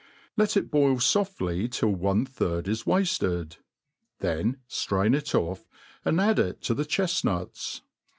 Let it boil foftly till one third is waflrd; then ftrain it ofF, and add to it the chefnuts.